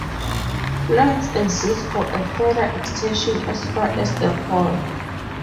Plans exist for a further extension as far as the hall.